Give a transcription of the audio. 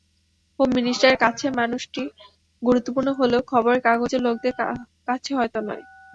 Home মিনিষ্টারের কাছে মানুষটি গুরুত্বপূর্ণ হলেও খবরের কাগজের লোকদের কাছে হয়তো নয়।